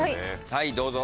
はいどうぞ。